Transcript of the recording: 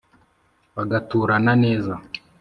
Agaturana neza